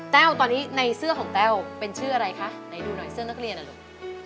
้วตอนนี้ในเสื้อของแต้วเป็นชื่ออะไรคะไหนดูหน่อยเสื้อนักเรียนอ่ะลูก